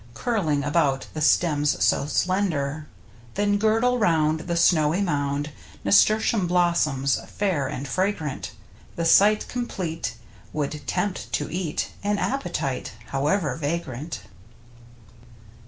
Curling about the stems so slender. Then girdle round the snowy mound Nasturtium blossoms, fair and fra grant, The sight complete would tempt to eat An appetite however vagrant.